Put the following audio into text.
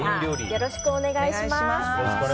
よろしくお願いします。